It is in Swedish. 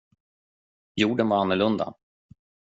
Jorden var annorlunda.